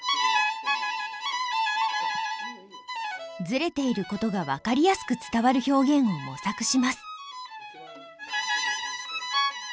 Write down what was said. ずれていることが分かりやすく伝わる表現を模索します。